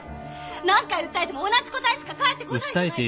何回訴えても同じ答えしか返ってこないじゃないですか！